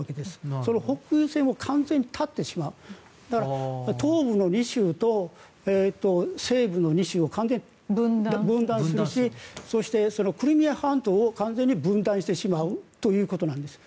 その補給線を完全に断ってしまうだから、東部の２州と西部の２州を完全に分断するしそしてそのクリミア半島を完全に分断してしまうということです。